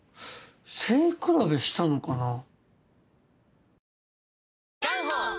背比べしたのかなぁ？